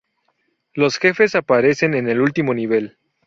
Los jefes aparecen en el último nivel.